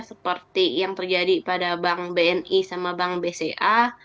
seperti yang terjadi pada bank bni sama bank bca